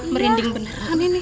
merinding beneran ini